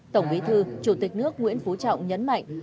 tổng bí thư chủ tịch nước nguyễn phú trọng nhấn mạnh